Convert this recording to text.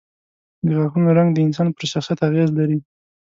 د غاښونو رنګ د انسان پر شخصیت اغېز لري.